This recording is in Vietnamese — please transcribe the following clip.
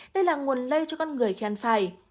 đây là nguồn lây cho con người khi ăn phải